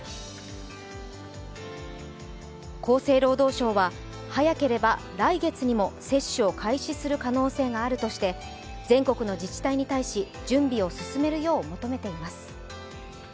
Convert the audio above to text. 厚生労働省は、早ければ来月にも接種を開始する可能性があるとして全国の自治体に対し準備を進めるよう求めています。